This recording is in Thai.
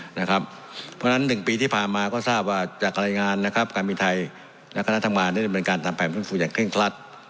เพราะฉะนั้น๑ปีที่ผ่านมาก็ทราบว่าจากการรายงานการมีทัยนักธรรมนั้นเป็นการทำแผนฟื้นฟูอย่างเคร่งคลัด